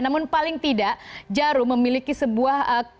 namun paling tidak jarum memiliki sebuah